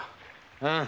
うん。